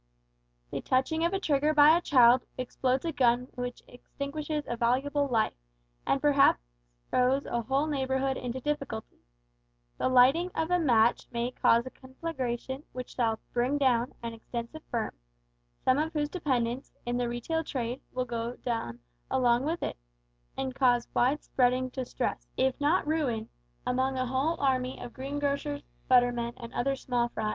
The touching of a trigger by a child explodes a gun which extinguishes a valuable life, and perhaps throws a whole neighbourhood into difficulties. The lighting of a match may cause a conflagration which shall "bring down" an extensive firm, some of whose dependants, in the retail trade, will go down along with it, and cause widespreading distress, if not ruin, among a whole army of greengrocers, buttermen, and other small fry.